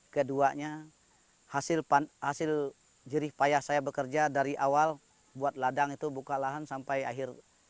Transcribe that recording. keduanya hasil jerih payah saya bekerja dari awal buat ladang itu buka lahan sampai akhir